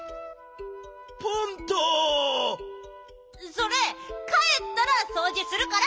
それかえったらそうじするから！